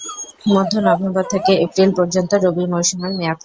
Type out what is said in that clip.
মধ্য-নভেম্বর থেকে এপ্রিল পর্যন্ত রবি মৌসুমের মেয়াদকাল।